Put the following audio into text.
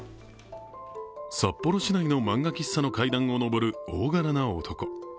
札幌市内の漫画喫茶の階段を上る大柄な男。